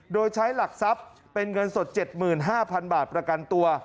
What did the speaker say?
โดยใช้หลักทรัพย์เป็นเงินสด๗๕๐๐๐บาทประกันตัว